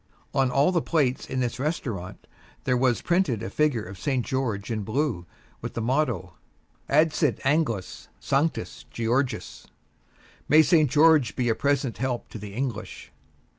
On all the plates in this restaurant there was printed a figure of St. George in blue, with the motto, "Adsit Anglis Sanctus Georgius" "May St. George be a present help to the English."